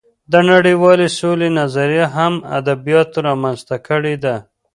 د نړۍوالې سولې نظریه هم ادبیاتو رامنځته کړې ده